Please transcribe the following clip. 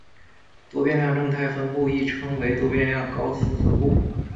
多变量正态分布亦称为多变量高斯分布。